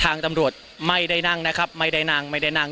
ทางตำรวจไม่ได้นั่งนะครับไม่ได้นั่งไม่ได้นั่ง